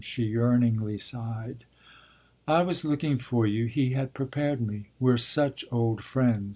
she yearningly sighed. "I was looking for you; he had prepared me. We're such old friends!"